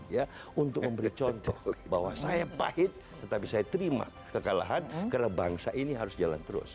ya untuk memberi contoh bahwa saya pahit tetapi saya terima kekalahan karena bangsa ini harus jalan terus